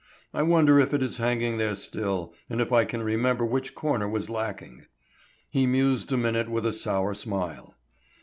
I wonder if it is hanging there still, and if I can remember which corner was lacking." He mused a minute with a sour smile.